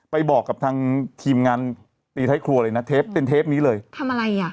ไปบอกกับทางทีมงานตีท้ายครัวเลยนะเทปเป็นเทปนี้เลยทำอะไรอ่ะ